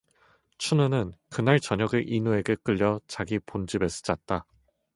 춘우는 그날 저녁을 인우에게 끌려 자기 본집에서 잤다.